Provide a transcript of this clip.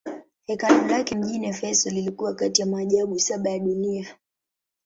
Hekalu lake mjini Efeso lilikuwa kati ya maajabu saba ya dunia.